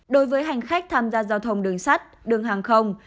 đối với hành khách tham gia giao thông đường sắt đường hàng không